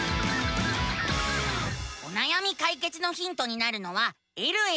おなやみ解決のヒントになるのは「えるえる」。